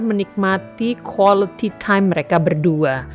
menikmati quality time mereka berdua